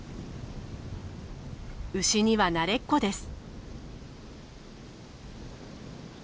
牛には慣れっこです。